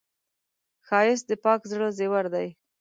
ښایست د پاک زړه زیور دی